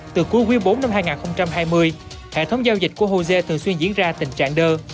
từ cuối quyên bốn năm hai nghìn hai mươi hệ thống giao dịch của hồ sê thường xuyên diễn ra tình trạng đơ